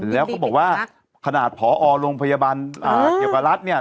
แล้วก็บอกว่าขนาดผอโรงพยาบาลเกี่ยวกับรัฐเนี่ย